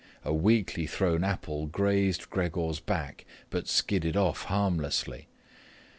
A weakly thrown apple grazed Gregor's back but skidded off harmlessly.